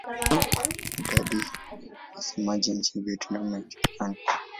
Idadi ya wasemaji nchini Vietnam haijulikani.